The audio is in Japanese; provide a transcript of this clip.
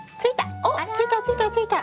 ついたついたついた。